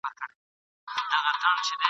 او پر زړه یې د شیطان سیوری را خپور سي ..